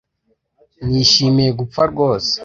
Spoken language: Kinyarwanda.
nishimiye gupfa rwose